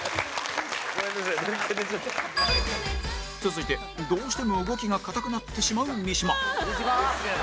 続いてどうしても動きが硬くなってしまう三島